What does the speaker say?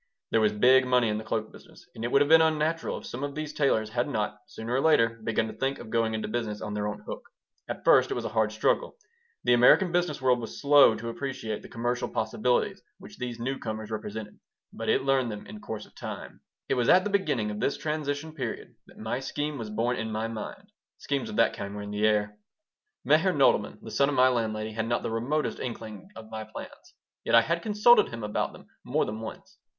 There was big money in the cloak business, and it would have been unnatural if some of these tailors had not, sooner or later, begun to think of going into business on their own hook. At first it was a hard struggle. The American business world was slow to appreciate the commercial possibilities which these new comers represented, but it learned them in course of time It was at the beginning of this transition period that my scheme was born in my mind. Schemes of that kind were in the air Meyer Nodelman, the son of my landlady, had not the remotest inkling of my plans, yet I had consulted him about them more than once.